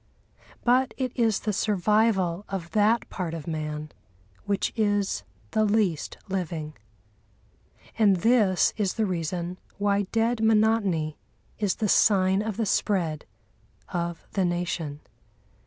But it is the survival of that part of man which is the least living. And this is the reason why dead monotony is the sign of the spread of the Nation.